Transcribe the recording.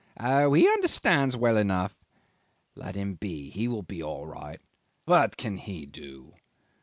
'Oh, he understands well enough.' 'Let him be; he will be all right.' 'What can he do?